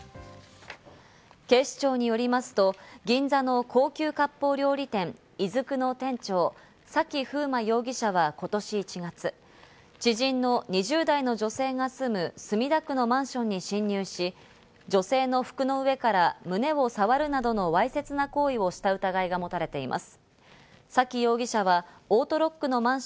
警視庁によりますと銀座の高級かっぽう料理店「いづく」の店長・崎楓真容疑者は今年１月、知人の２０代の女性が住む墨田区のマンションに侵入し、女性の服の上から胸をさわるなどのわいせつな行為をした疑いが持たれています。